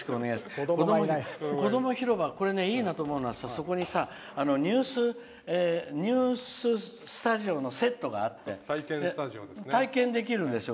こどもひろばこれいいなと思うのはそこにさニューススタジオのセットがあって体験できるんですよ